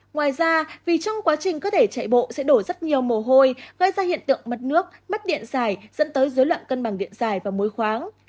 ngoài ra vì trong quá trình cơ thể chạy bộ sẽ đổ rất nhiều mồ hôi gây ra hiện tượng mất nước mất điện dài dẫn tới dối loạn cân bằng điện dài và mối khoáng